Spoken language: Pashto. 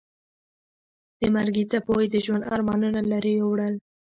د مرګي څپو یې د ژوند ارمانونه لرې یوړل.